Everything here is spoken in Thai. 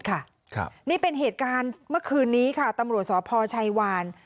นี่เป็นเหตุการณ์เมื่อคืนนี้ค่ะตำรวจสพชัยวาน